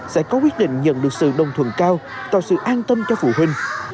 sẽ có quyết định nhận được sự đồng thuận cao tạo sự an tâm cho phụ huynh